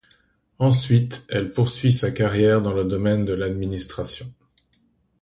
Ensuite, elle poursuit sa carrière dans le domaine de l'administration.